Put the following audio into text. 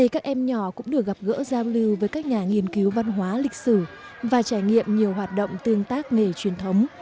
các em nhỏ cũng được gặp gỡ giao lưu với các nhà nghiên cứu văn hóa lịch sử và trải nghiệm nhiều hoạt động tương tác nghề truyền thống